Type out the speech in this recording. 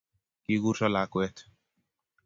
kikurso lakwet